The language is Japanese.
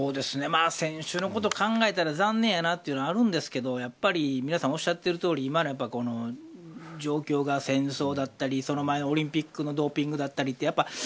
選手のことを考えたら残念やなというのはあるんですけど、やっぱり皆さんおっしゃっているとおり今の状況が戦争だったりその前のオリンピックのドーピングだったりと。